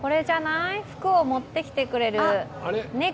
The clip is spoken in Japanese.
福を持ってきてくれる猫。